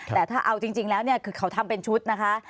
แต่ถ้าเอาจริงแล้วเนี่ยคือเขาทำเป็นชุดนะคะ